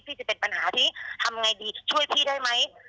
จะเป็นปัญหาที่ทำไงดีช่วยพี่ได้ไหม